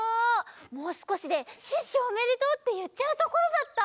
もうすこしで「シュッシュおめでとう！」っていっちゃうところだった！